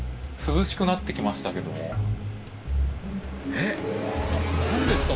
えっ何ですか？